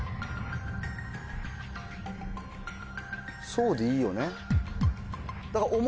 そうでいいよね？